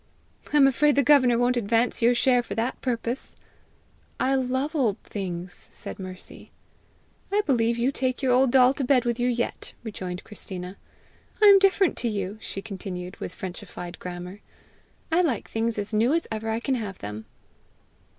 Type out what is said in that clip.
"I'm afraid the governor won't advance your share for that purpose!" "I love old things!" said Mercy. "I believe you take your old doll to bed with you yet!" rejoined Christina. "I am different to you!" she continued, with Frenchified grammar; "I like things as new as ever I can have them!"